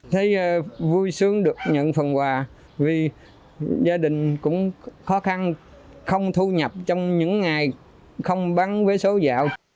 thấy vui sướng được nhận phần quà vì gia đình cũng khó khăn không thu nhập trong những ngày không bán vé số dạo